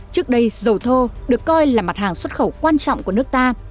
trước đây dầu thô được coi là mặt hàng xuất khẩu quan trọng của nước ta